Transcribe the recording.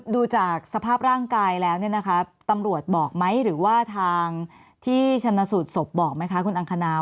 ดูจากสภาพร่างกายแล้วตำรวจบอกไหมหรือว่าทางที่ชนสุทธิ์สบบอกไหมคะคุณอังคณา